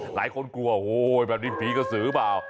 หลายคนกลัวโอ้โหแบบนี้ผีกระสือเปล่า